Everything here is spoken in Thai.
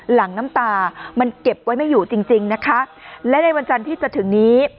หลังน้ำตามันเก็บไว้ไม่อยู่จริงจริงนะคะและในวันจันทร์ที่จะถึงนี้